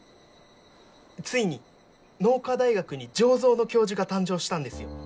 ついに農科大学に醸造の教授が誕生したんですよ。